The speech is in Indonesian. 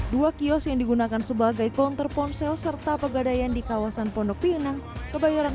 dua kios yang digunakan sebagai konter ponsel serta pegadaian di kawasan pondok pinang kebayoran